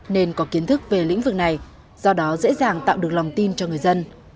nên có kiến thức về lĩnh vực này do đó dễ dàng tạo được lòng tin cho người dân